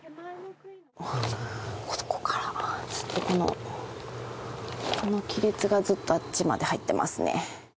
ここからずっと、この亀裂がずっとあっちまで入ってますね。